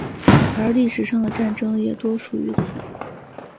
而历史上的战争也多属于此。